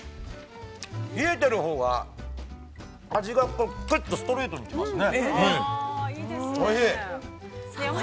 ◆冷えているほうが、味がぐっとストレートに来ますね。